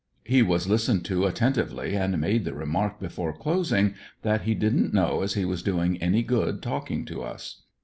He was listened to atten tively and made the remark before closing that he didn't know as he was doing any good talking to us.